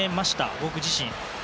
僕自身。